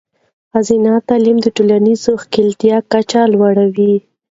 ښځینه تعلیم د ټولنیزې ښکیلتیا کچه لوړوي.